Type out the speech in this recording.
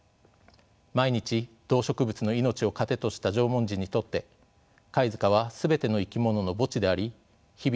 毎日動植物の命を糧とした縄文人にとって貝塚は全ての生き物の墓地であり日々の祭祀場でした。